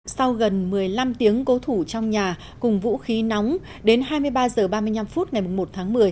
sau gần một mươi năm tiếng cố thủ trong nhà cùng vũ khí nóng đến hai mươi ba h ba mươi năm phút ngày một tháng một mươi